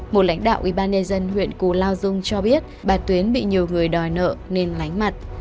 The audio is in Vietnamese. một lãnh đạo ubnd huyện cù lao dung cho biết bà tuyến bị nhiều người đòi nợ nên lánh mặt